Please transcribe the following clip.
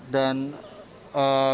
dan bisa berkembang